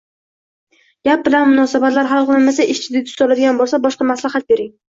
gap bilan munosabatlar hal qilinmasa, ish jiddiy tus oladigan bo‘lsa, boshqa maslahat bering.